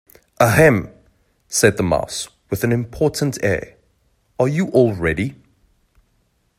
‘Ahem!’ said the Mouse with an important air, ‘are you all ready?’